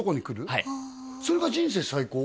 はいそれが人生最高？